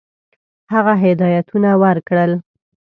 هغه هدایتونه ورکړل.